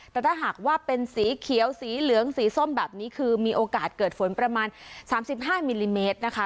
แต่ถ้าหากว่าเป็นสีเขียวสีเหลืองสีส้มแบบนี้คือมีโอกาสเกิดฝนประมาณ๓๕มิลลิเมตรนะคะ